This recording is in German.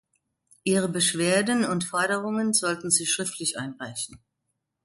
Ihre Beschwerden und Forderungen sollten sie schriftlich einreichen.